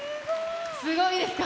すごいですか？